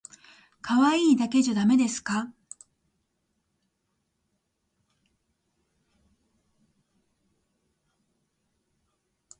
可愛いだけじゃだめですか？